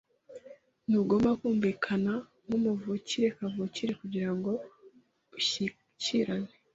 Ntugomba kumvikana nkumuvukire kavukire kugirango ushyikirane.